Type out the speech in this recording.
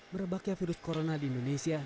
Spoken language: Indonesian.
merebaknya virus corona di indonesia